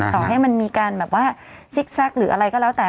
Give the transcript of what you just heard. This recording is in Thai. ต่อให้มันมีการแบบว่าซิกแซคหรืออะไรก็แล้วแต่